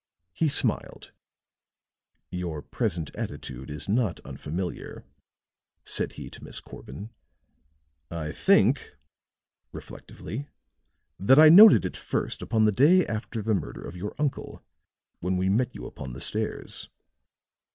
He smiled. "Your present attitude is not unfamiliar," said he to Miss Corbin. "I think," reflectively, "that I noted it first upon the day after the murder of your uncle when we met you upon the stairs.